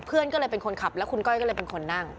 เพื่อนก็เลยเป็นคนขับแล้วคุณก้อยก็เลยเป็นคนนั่ง